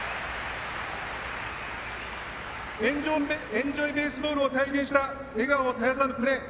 「エンジョイ・ベースボール」を体現した笑顔を絶やさぬプレー。